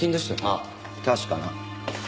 ああ確かな。